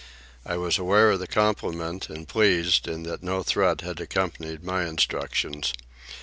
I was aware of the compliment and pleased, in that no threat had accompanied my instructions.